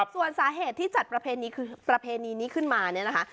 ส่วนสาเหตุที่จัดประเพณีประเพณีนี้ขึ้นมาเนี่ยนะคะ